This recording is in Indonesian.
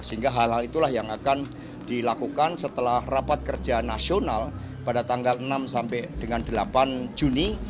sehingga hal hal itulah yang akan dilakukan setelah rapat kerja nasional pada tanggal enam sampai dengan delapan juni